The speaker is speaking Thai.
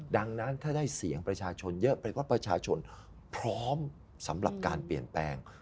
ดังนั้นถ้าได้เสียงประชาชนเยอะแปลว่าประชาชนพร้อมสำหรับการเปลี่ยนแปลง